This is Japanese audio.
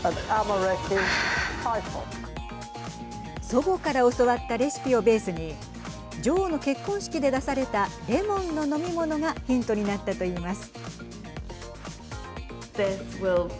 祖母から教わったレシピをベースに女王の結婚式で出されたレモンの飲み物がヒントになったといいます。